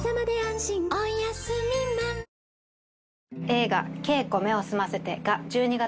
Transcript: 映画。